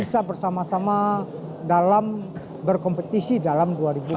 bisa bersama sama dalam berkompetisi dalam dua ribu dua puluh